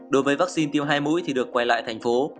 đối với vaccine tiêu hai mũi thì được quay lại thành phố